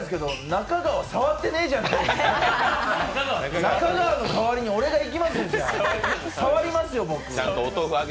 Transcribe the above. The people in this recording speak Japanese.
中川の代わりに俺が行きますよ、じゃあ。